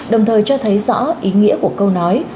đồng thời cho thấy rõ ý nghĩa của câu nói